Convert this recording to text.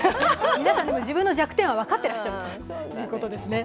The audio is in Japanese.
皆さん、自分の弱点は分かっていらっしゃるということですね。